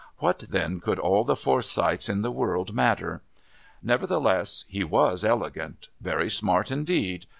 What, then, could all the Forsyths in the world matter? Nevertheless he was elegant. Very smart indeed.